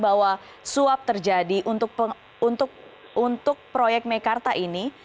bahwa suap terjadi untuk proyek mekarta ini